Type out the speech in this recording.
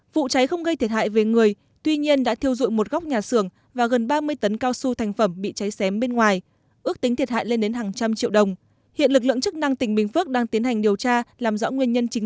vụ cháy không gây thiệt hại về người tuy nhiên đã thiêu dụi một góc nhà xưởng và gần ba mươi tấn cao su thành phẩm bị cháy xém bên ngoài ước tính thiệt hại lên đến hàng trăm triệu đồng